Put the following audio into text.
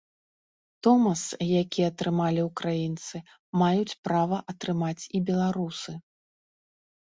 Томас, які атрымалі ўкраінцы, маюць права атрымаць і беларусы.